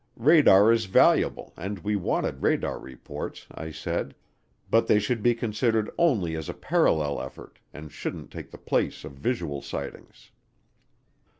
Radar is valuable, and we wanted radar reports, I said, but they should be considered only as a parallel effort and shouldn't take the place of visual sightings.